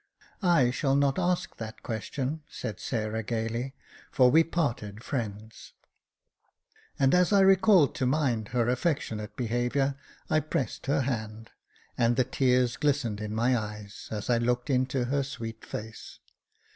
I shall not ask that question," said Sarah, gaily, *' for we parted friends." And as I recalled to mind her affectionate behaviour, I pressed her hand, and the tears glistened in my eyes as I looked into her sweet face.